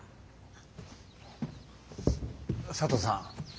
佐藤さん